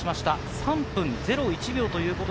３分０１秒。